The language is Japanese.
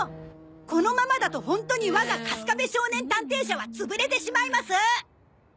このままだとホントに我がカスカベ少年探偵社は潰れてしまいます！